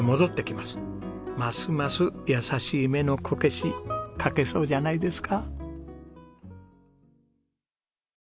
ますます優しい目のこけし描けそうじゃないですか。